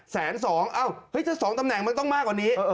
แสนสองสองตำแหน่งมันต้องมากกว่านี้